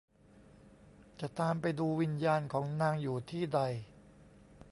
จะตามไปดูวิญญาณของนางอยู่ที่ใด